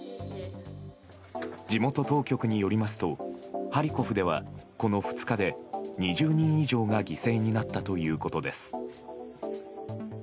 地元当局によりますとハリコフではこの２日で２０人以上が犠牲になったということです。